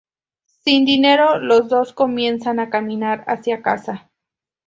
Sin dinero, los dos comienzan a caminar hacia casa.